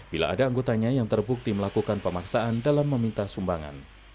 bila ada anggotanya yang terbukti melakukan pemaksaan dalam meminta sumbangan